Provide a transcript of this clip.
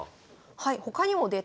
はい。